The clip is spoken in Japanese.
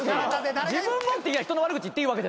自分もって言や人の悪口言っていいわけじゃない。